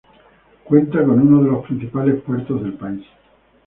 Cuenta con uno de los principales puertos del país.